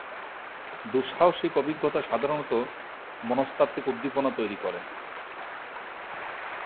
দুঃসাহসিক অভিজ্ঞতা সাধারণত মনস্তাত্ত্বিক উদ্দীপনা তৈরি করে।